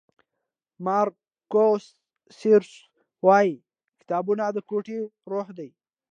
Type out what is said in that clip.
مارکوس سیسرو وایي کتابونه د کوټې روح دی.